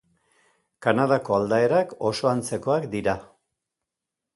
Kanadako aldaerak oso antzekoak dira.